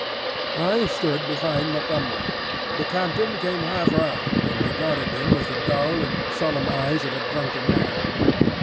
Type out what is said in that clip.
I stood behind Montgomery. The captain came half round, and regarded him with the dull and solemn eyes of a drunken man.